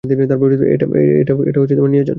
এটা নিয়ে যান!